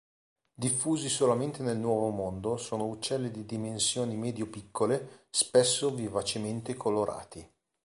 Diffusi solamente nel Nuovo Mondo, sono uccelli di dimensioni medio-piccole spesso vivacemente colorati.